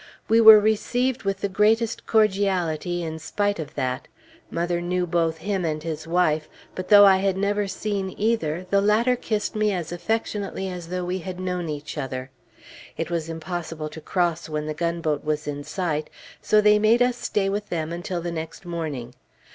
We were received with the greatest cordiality in spite of that. Mother knew both him and his wife, but though I had never seen either, the latter kissed me as affectionately as though we had known each other. It was impossible to cross when the gunboat was in sight, so they made us stay with them until the next morning.